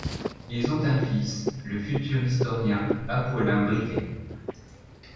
Ils ont un fils, le futur historien Apollin Briquet.